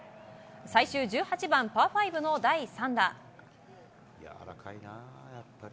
最終１８番、パー５の第３打。